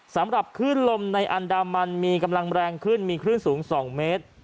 สำหรับคลื่นลมในอันดามันมีกำลังแรงขึ้นมีคลื่นสูง๒เมตร